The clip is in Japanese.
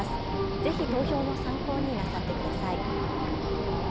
ぜひ投票の参考になさってください。